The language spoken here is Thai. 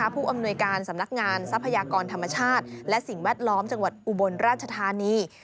ผู้อำนวยการสำนักงานทรัพยากรธรรมชาติและสิ่งแวดล้อมจังหวัดอุบลราชธานี